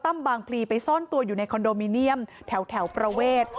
บางพลีไปซ่อนตัวอยู่ในคอนโดมิเนียมแถวประเวท